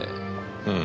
うん。